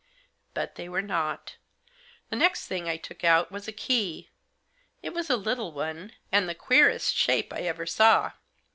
But they were not. The next thing I took out was a key. It was a little one, and the queerest shape I ever saw.